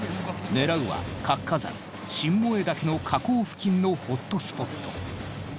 狙うは活火山新燃岳の火口付近のホットスポット。